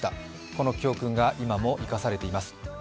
この教訓が今も生かされています。